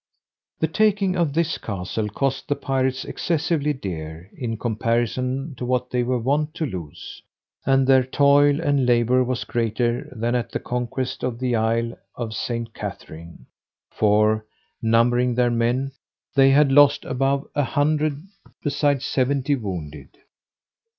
The taking of this castle cost the pirates excessively dear, in comparison to what they were wont to lose, and their toil and labour was greater than at the conquest of the isle of St. Catherine; for, numbering their men, they had lost above a hundred, beside seventy wounded.